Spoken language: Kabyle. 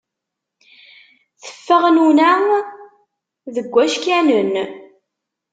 Teffeɣ nuna deg wackanen.